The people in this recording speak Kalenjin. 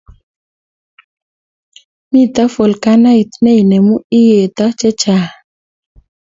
mito volkanoit ne inemu iyeto chechang